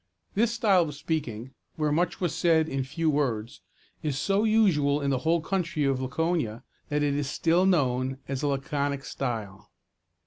This style of speaking, where much was said in few words, was so usual in the whole country of Laconia, that it is still known as the laconic style.